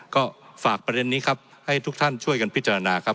ก็ฝากประเด็นนี้ครับให้ทุกท่านช่วยกันพิจารณาครับ